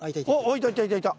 いたいたいたいた。